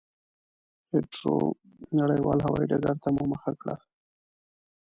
هېترو نړېوال هوایي ډګرته مو مخه کړه.